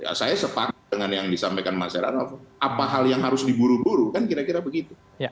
ya saya sepakat dengan yang disampaikan mas heranov apa hal yang harus diburu buru kan kira kira begitu